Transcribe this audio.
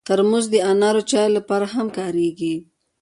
ترموز د انارو چایو لپاره هم کارېږي.